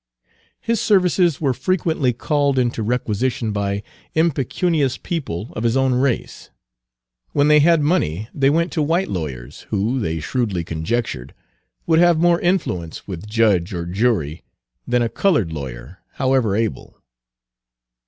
His services were frequently called into requisition by impecunious people of his own Page 215 race; when they had money they went to white lawyers, who, they shrewdly conjectured, would have more influence with judge or jury than a colored lawyer, however able.